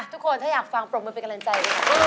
ทุกคนถ้าอยากฟังปรบมือไปกำลังใจ